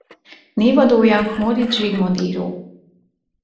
Névadója Móricz Zsigmond író.